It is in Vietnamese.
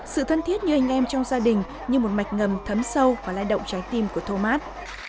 sự thân thiết như anh em trong gia đình như một mạch ngầm thấm sâu và lai động trái tim của thomas